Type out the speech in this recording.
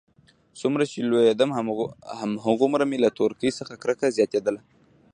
څومره چې لوېيدم هماغومره مې له تورکي څخه کرکه زياتېدله.